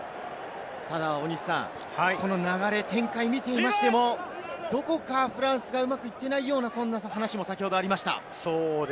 ただ、流れ、展開を見ていましても、どこかフランスがうまくいっていないような話も先ほどありました。